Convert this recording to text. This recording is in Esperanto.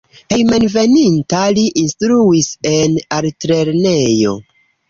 Hejmenveninta li instruis en Altlernejo.